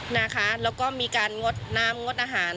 แล้วก็มีการงดน้ำงดอาหาร